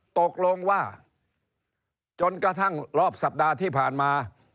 ตกลงว่าจนกระทั่งรอบสัปดาห์ที่ผ่านมา